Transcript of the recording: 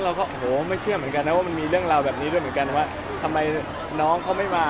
เราก็โอ้โหไม่เชื่อเหมือนกันนะว่ามันมีเรื่องราวแบบนี้ด้วยเหมือนกันว่าทำไมน้องเขาไม่มา